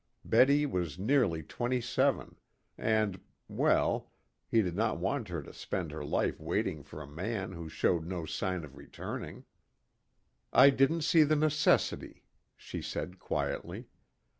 Betty was nearly twenty seven, and well, he did not want her to spend her life waiting for a man who showed no sign of returning. "I didn't see the necessity," she said quietly.